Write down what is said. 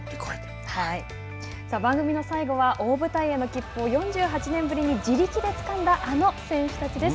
さあ番組の最後は大舞台への切符を４８年ぶりに自力でつかんだあの選手たちです。